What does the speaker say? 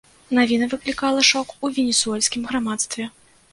Навіна выклікала шок у венесуэльскім грамадстве.